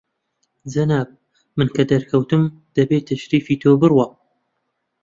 جەنابی من کە دەرکەوتم، دەبێ تەشریفی تۆ بڕوا